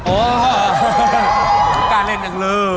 กล้าเล่นกันเลย